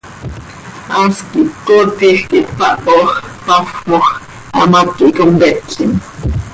Haas quih cöcootij quih tpaho x, tpafmoj x, hamác quih competlim.